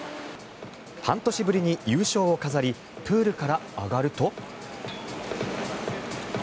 半年ぶりに優勝を飾りプールから上がると。